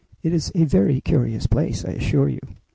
It is a very curious place, I assure you.